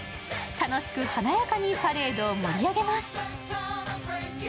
楽しく華やかにパレードを盛り上げます。